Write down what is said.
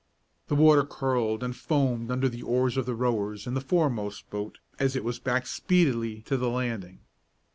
The water curled and foamed under the oars of the rowers in the foremost boat as it was backed speedily to the landing.